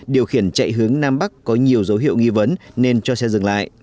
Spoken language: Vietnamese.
điều khiển chạy hướng nam bắc có nhiều dấu hiệu nghi vấn nên cho xe dừng lại